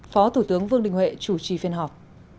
phó thủ tướng vương đình huệ chủ trì phiên họp